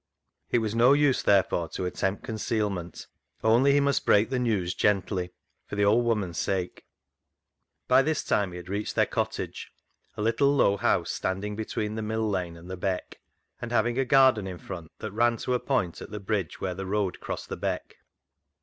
It was no use, therefore, to attempt concealment ; only he must break the news gently, for the old woman's sake. By this time he had reached their cottage, a little low house standing between the mill lane and the Beck, and having a garden in front that ran to a point at the bridge where the road crossed the Beck.